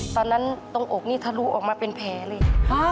ตรงอกนี่ทะลุออกมาเป็นแผลเลย